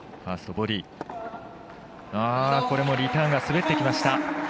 これもリターンが滑っていきました。